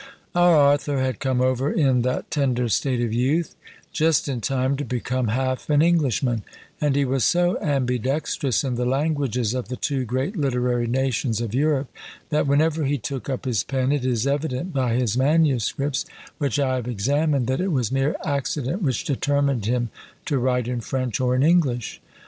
Our author had come over in that tender state of youth, just in time to become half an Englishman: and he was so ambidextrous in the languages of the two great literary nations of Europe, that whenever he took up his pen, it is evident by his manuscripts, which I have examined, that it was mere accident which determined him to write in French or in English.